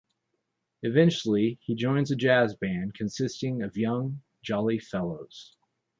Eventually he joins a jazz band consisting of young "jolly fellows".